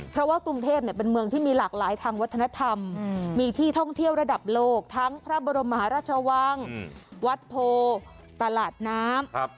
เพราะว่ากรุงเทพเป็นเมืองที่มีหลากหลายทางวัฒนธรรมมีที่ท่องเที่ยวระดับโลกทั้งพระบรมมหาราชวังวัดโพตลาดน้ำ